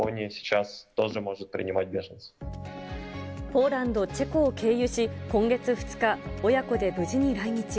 ポーランド、チェコを経由し、今月２日、親子で無事に来日。